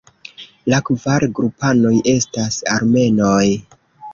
La kvar grupanoj estas Armenoj.